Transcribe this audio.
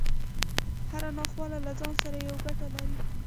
هره ناخواله له ځان سره يوه ګټه لري.